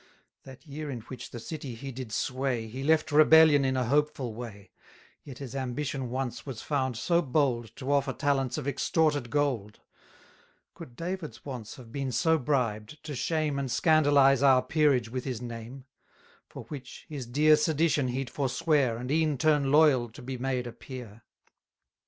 That year in which the city he did sway, 290 He left rebellion in a hopeful way, Yet his ambition once was found so bold, To offer talents of extorted gold; Could David's wants have so been bribed, to shame And scandalize our peerage with his name; For which, his dear sedition he'd forswear, And e'en turn loyal to be made a peer.